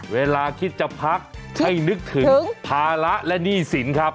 เวลาคิดจะพักให้นึกถึงภาระและหนี้สินครับ